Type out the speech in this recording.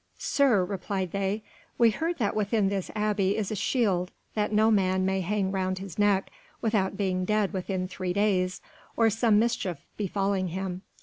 "Sir," replied they, "we heard that within this Abbey is a shield that no man may hang round his neck without being dead within three days, or some mischief befalling him.